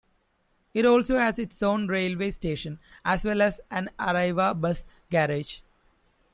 It also has its own railway station, as well as an Arriva bus garage.